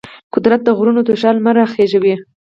قدرت د غرونو تر شا لمر راخیژوي.